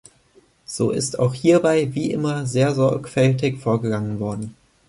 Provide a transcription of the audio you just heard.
So ist auch hierbei wie immer sehr sorgfältig vorgegangen worden.